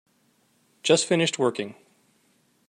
Just finished working.